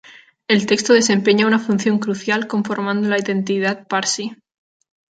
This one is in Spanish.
El texto desempeña una función crucial conformando la identidad parsi.